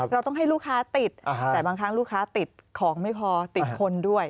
เราต้องให้ลูกค้าติดแต่บางครั้งลูกค้าติดของไม่พอติดคนด้วย